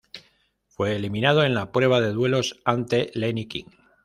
Fue eliminado en la prueba de duelos, ante Lenni-Kim.